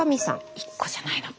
１個じゃないのか。